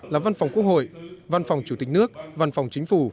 là văn phòng quốc hội văn phòng chủ tịch nước văn phòng chính phủ